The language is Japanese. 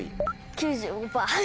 ９５％。